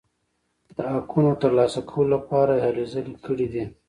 د حقونو ترلاسه کولو لپاره یې هلې ځلې کړي دي.